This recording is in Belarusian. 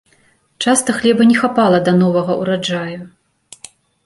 Часта хлеба не хапала да новага ўраджаю.